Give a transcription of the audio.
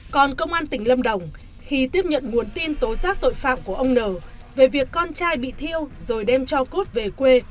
còn công an tỉnh lâm đồng khi tiếp nhận nguồn tin tố giác tội phạm của ông n về việc con trai bị thiêu rồi đem cho cốt về quê